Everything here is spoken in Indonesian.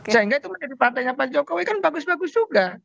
sehingga itu menjadi partainya pak jokowi kan bagus bagus juga